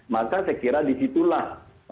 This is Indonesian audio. maka saya kira disitulah